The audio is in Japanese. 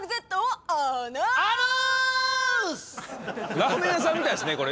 ラーメン屋さんみたいですねこれ。